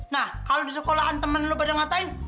nah kalau di sekolah temen lo pada ngatain